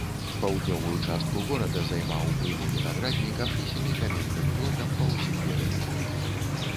Паўднёвую частку горада займаў буйны вінаграднік, абнесены каменным плотам па ўсім перыметры.